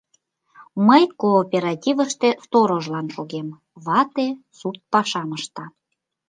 Мый кооперативыште сторожлан шогем, вате сурт пашам ышта.